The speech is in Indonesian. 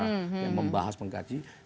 yang membahas pengkaji